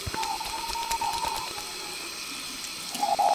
সেখানে কি সবসময় পারিবারিক নিগৃহ উপস্থিত থাকতো?